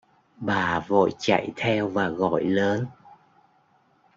Bà vội chạy theo và Gọi lớn